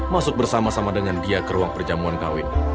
masuk bersama sama dengan dia ke ruang perjamuan kawin